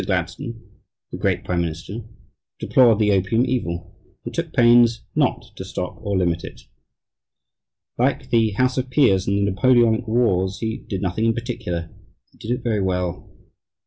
Gladstone, the great prime minister, deplored the opium evil and took pains not to stop or limit it. Like the House of Peers in the Napoleonic wars, he "did nothing in particular and did it very well."